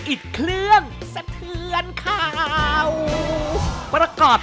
อิตเคลื่อนเสถือนข่าว